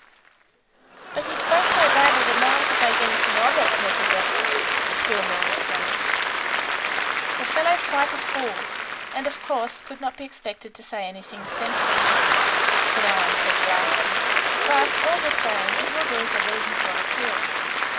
"But he spoke so badly that no one could make anything of it," Nekhludoff said, still more astonished. "The fellow's quite a fool, and of course could not be expected to say anything sensible," Fanarin said, laughing; "but, all the same, it will do as a reason for appeal.